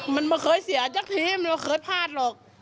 มันไม่เคยเสียจักษ์ทีมันไม่เคยพลาดหรอก